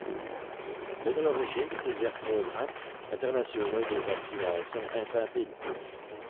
Il est à l'origine de plusieurs programmes internationaux de vaccination infantile.